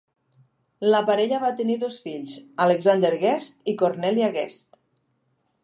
La parella va tenir dos fills, Alexander Guest i Cornelia Guest.